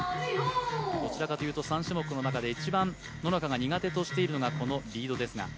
どちらかというと３種目の中で一番、野中が苦手としているのがリードです。